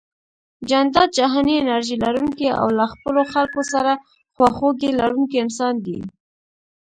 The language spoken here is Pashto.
جانداد جهاني انرژي لرونکی او له خپلو خلکو سره خواخوږي لرونکی انسان دی